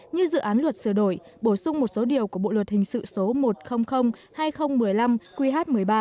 như dự án luật sửa đổi bổ sung một số điều của bộ luật hình sự số một trăm linh hai nghìn một mươi năm qh một mươi ba